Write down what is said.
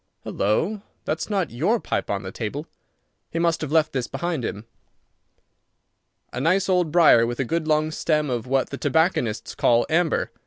Halloa! That's not your pipe on the table. He must have left his behind him. A nice old briar with a good long stem of what the tobacconists call amber.